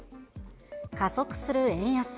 加速する円安。